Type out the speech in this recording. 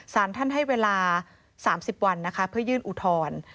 สารท่านให้เวลา๓๐วันนะคะเพื่อยื่นอุทธรณ์